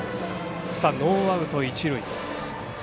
ノーアウト、一塁。